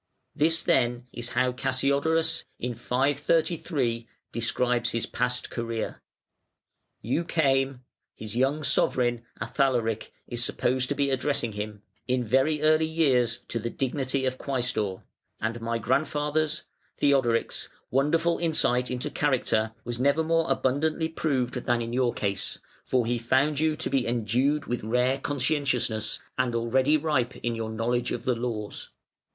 This then is how Cassiodorus, in 533, describes his past career: "You came (his young sovereign, Athalaric, is supposed to be addressing him) in very early years to the dignity of Quæstor; and mv grandfather's (Theodoric's) wonderful insight into character was never more abundantly proved than in your case, for he found you to be endued with rare conscientiousness, and already ripe in your knowledge of the laws.